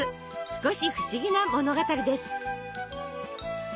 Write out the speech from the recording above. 少し不思議な物語です。